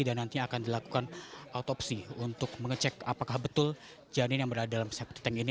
dan nantinya akan dilakukan autopsi untuk mengecek apakah betul janin yang berada dalam septic tank ini